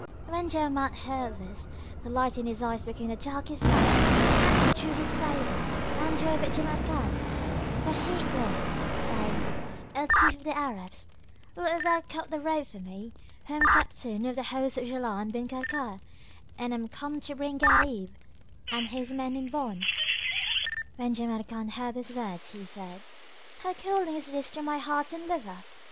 When Jawamard heard this, the light in his eyes became darkest night and he drew his sabre and drove at Jamrkan, for he it was, saying, "O thief of the Arabs, wilt thou cut the road for me, who am captain of the host of Jaland bin Karkar and am come to bring Gharib and his men in bond?" When Jamrkan heard these words, he said, "How cooling is this to my heart and liver!"